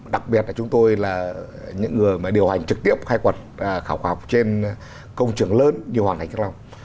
đặc biệt là chúng tôi là những người điều hành trực tiếp khai quật khảo cổ học trên công trường lớn như hoàng thành thăng long